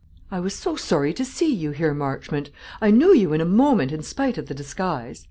"I was so sorry to see you here, Marchmont; I knew you in a moment, in spite of the disguise."